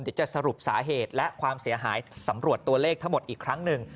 เดี๋ยวจะสรุปสาเหตุและความเสียหายสำรวจตัวเลขทั้งหมดอีกครั้งหนึ่ง